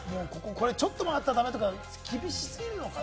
ちょっと曲がったら駄目とか、厳し過ぎるのかな？